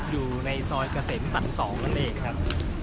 อยู่ในซอยเกษมสรร๒นั่นเองครับ